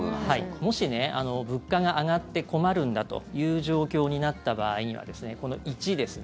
もし、物価が上がって困るんだという状況になった場合にはですね